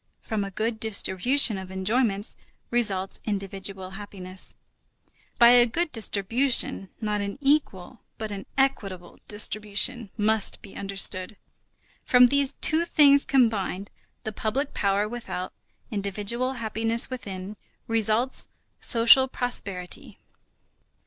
From a good distribution of enjoyments results individual happiness. By a good distribution, not an equal but an equitable distribution must be understood. From these two things combined, the public power without, individual happiness within, results social prosperity.